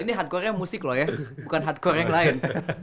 ini hardcorenya musik loh ya bukan hardcore yang lain